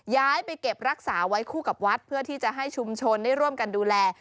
ย้ายไปเก็บรักษาไว้คู่กับวัดเพื่อที่จะให้ชุมชนได้ร่วมกันดูแล